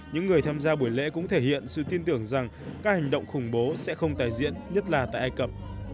những người tham gia buổi lễ cũng thể hiện sự tin tưởng rằng các hành động khủng bố sẽ không tái diễn nhất là tại ai cập